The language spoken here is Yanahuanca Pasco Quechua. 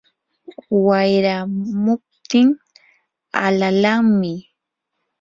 wayramuptin alalanmi.